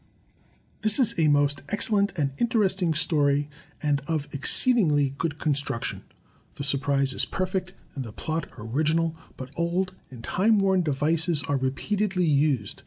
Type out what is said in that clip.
This is a most excellent and interesting story and of exceed ingly good construction. The surprise is perfect and the plot original, but old and time worn devices are repeatedly used.